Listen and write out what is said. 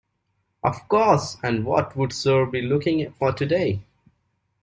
Of course, and what would sir be looking for today?